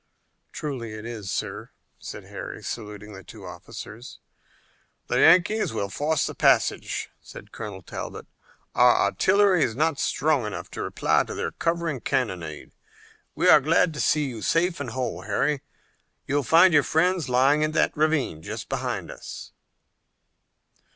"Truly it is, sir," said Harry, saluting the two officers. "The Yankees will force the passage," said Colonel Talbot. "Our artillery is not strong enough to reply to their covering cannonade. We are glad to see you safe and whole, Harry. You'll find your friends lying in that ravine just behind us."